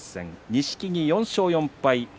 錦木、４勝４敗。